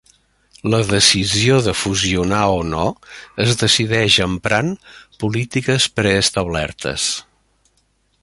La decisió de fusionar o no es decideix emprant polítiques preestablertes.